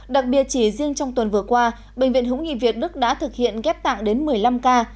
đặc biệt chỉ riêng trong tuần vừa qua bệnh viện hữu nghị việt đức đã thực hiện ghép tạng đến một mươi năm ca